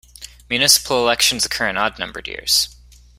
Municipal elections occur in odd numbered years.